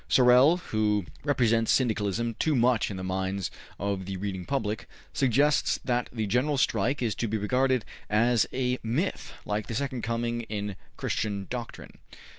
Sorel, who represents Syndicalism too much in the minds of the reading public, suggests that the General Strike is to be regarded as a myth, like the Second Coming in Christian doctrine.